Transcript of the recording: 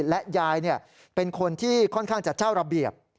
และยายเป็นคนที่ค่อนข้างจะเจ้าระเบียบ